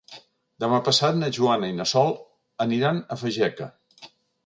Demà passat na Joana i na Sol aniran a Fageca.